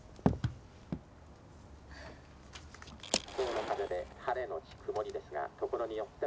「の風で晴れのち曇りですがところによっては」。